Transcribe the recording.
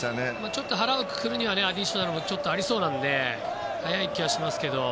ちょっと腹をくくるにはアディショナルもちょっとありそうなので早い気はしますけど。